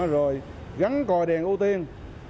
rồi gắn còi đèn ưu tiên